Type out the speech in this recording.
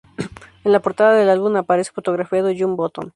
En la portada del álbum aparece fotografiado John Button.